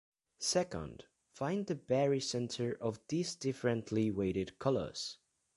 Second, find the barycenter of these differently weighted colors.